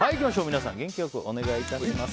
皆さん、元気良くお願いします。